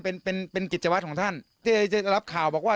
เอาลูกศิษย์บอกว่า